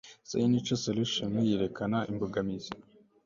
Signature solution yerekana imbogamizi